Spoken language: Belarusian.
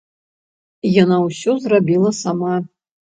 Яна ўсё зрабіла сама.